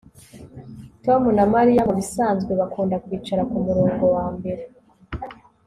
Tom na Mariya mubisanzwe bakunda kwicara kumurongo wambere